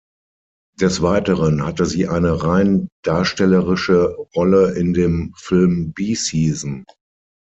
Des Weiteren hatte sie eine rein darstellerisch Rolle in dem Film Bee Season.